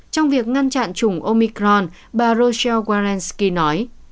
trong việc ngăn chặn chủng omicron bà rochelle walensky nói